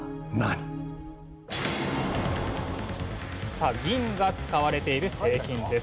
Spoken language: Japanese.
さあ銀が使われている製品です。